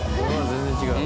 「全然違う」